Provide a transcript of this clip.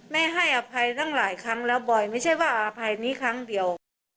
ให้อภัยตั้งหลายครั้งแล้วบอยไม่ใช่ว่าอภัยนี้ครั้งเดียว